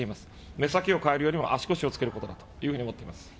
目先を変えるよりも、足腰をつけることというふうに思ってます。